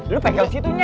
lu pegang situnya